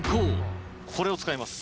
これを使います。